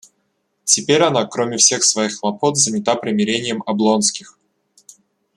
Теперь она, кроме всех своих хлопот, занята примирением Облонских.